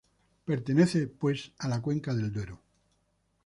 Pertenece, pues, a la cuenca de Duero.